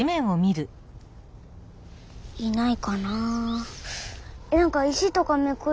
いないかな。